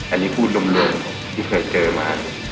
อันนี้พูดลมพี่เคยเจอมา